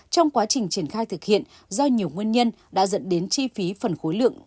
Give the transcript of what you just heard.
trong quá trình triển khai thực hiện do nhiều nguyên nhân đã dẫn đến chi phí phần khối lượng